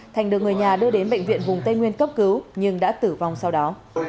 thành được người nhà đưa đến bệnh viện vùng tây nguyên cấp cứu nhưng đã tử vong sau đó